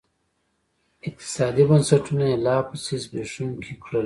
اقتصادي بنسټونه یې لاپسې زبېښونکي کړل.